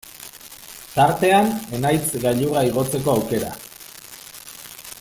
Tartean Enaitz gailurra igotzeko aukera.